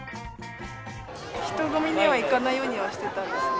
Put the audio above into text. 人混みには行かないようにしてたんです。